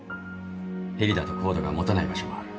ヘリだと高度が持たない場所もある。